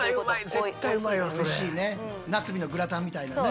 おいしいねナスビのグラタンみたいなね。